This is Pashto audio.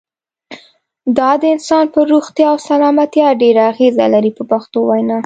دا د انسان پر روغتیا او سلامتیا ډېره اغیزه لري په پښتو وینا.